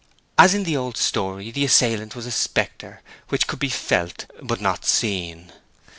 As in the old story, the assailant was a spectre which could be felt but not seen.